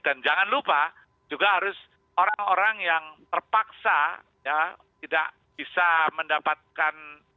dan jangan lupa juga harus orang orang yang terpaksa ya tidak bisa mendapatkan